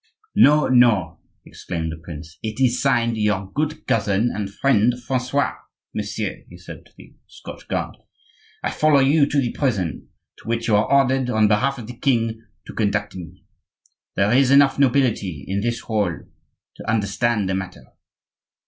"No, no!" exclaimed the prince, "it is signed: 'Your good cousin and friend, Francois,'—Messieurs," he said to the Scotch guard, "I follow you to the prison to which you are ordered, on behalf of the king, to conduct me. There is enough nobility in this hall to understand the matter!"